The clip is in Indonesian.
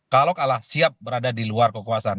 kalau kalah siap berada di luar kekuasaan